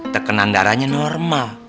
tekenan darahnya normal